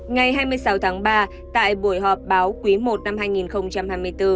ngày hai mươi sáu tháng ba tại buổi họp báo quý i năm hai nghìn hai mươi bốn